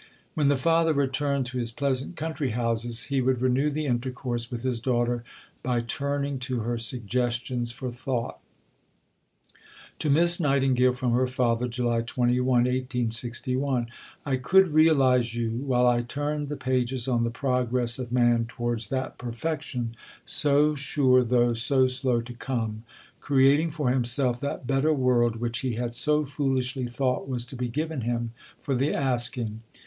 When the father returned to his pleasant country houses, he would renew the intercourse with his daughter by turning to her Suggestions for Thought: (To Miss Nightingale from her Father.) July 21 .... I could realize you, while I turned the pages on the Progress of Man towards that Perfection so sure tho' so slow to come, creating for himself that better world which he had so foolishly thought was to be given him for the asking.